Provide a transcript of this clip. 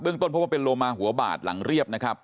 เบื้องต้นพบว่าเป็นโรมาหัวบาดหลังเรียบนะครับ